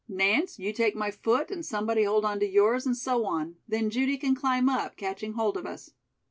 Nance, you take my foot and someone hold on to yours and so on. Then, Judy can climb up, catching hold of us."